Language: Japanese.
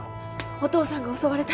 お父さんが襲われた。